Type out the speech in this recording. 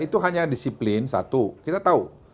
itu hanya disiplin satu kita tahu